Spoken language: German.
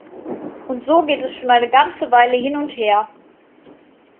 Und so geht es schon eine ganze Weile hin und her.